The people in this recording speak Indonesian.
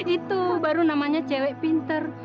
itu baru namanya cewek pinter